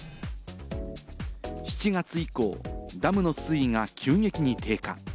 ７月以降、ダムの水位が急激に低下。